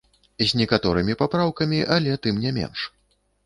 З некаторымі папраўкамі, але тым не менш.